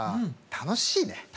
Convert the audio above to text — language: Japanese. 楽しいね。